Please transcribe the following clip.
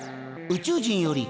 宇宙人より。